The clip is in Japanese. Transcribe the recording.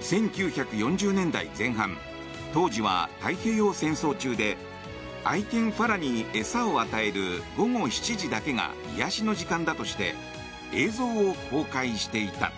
１９４０年代前半当時は太平洋戦争中で愛犬ファラに餌を与える午後７時だけが癒やしの時間だとして映像を公開していた。